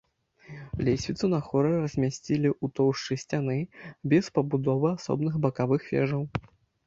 Лесвіцу на хоры размясцілі ў тоўшчы сцяны без пабудовы асобных бакавых вежаў.